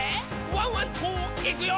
ワンワンといくよ」